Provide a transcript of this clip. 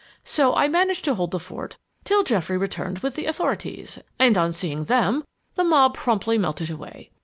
So I managed to hold the fort till Geoffrey returned with the authorities, and on seeing them, the mob promptly melted away.